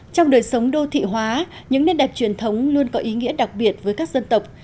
trong đời sống đô thị hóa những nét đẹp truyền thống luôn có ý nghĩa đặc biệt với các dân tộc